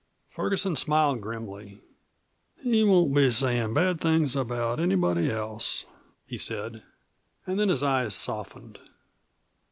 Ferguson smiled grimly. "He won't be sayin' bad things about anyone else," he said. And then his eyes softened.